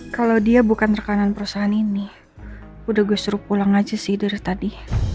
kalau dia bukan rekanan perusahaan ini udah gue suruh pulang aja sih dari tadi